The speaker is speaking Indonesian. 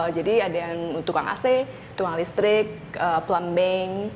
jadi ada yang tukang ac tukang listrik plumbing